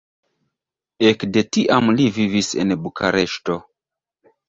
Ekde tiam li vivis en Bukareŝto.